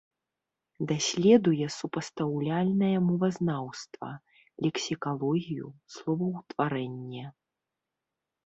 Даследуе супастаўляльнае мовазнаўства, лексікалогію, словаўтварэнне.